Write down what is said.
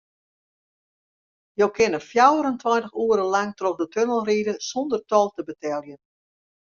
Jo kinne fjouwerentweintich oere lang troch de tunnel ride sûnder tol te beteljen.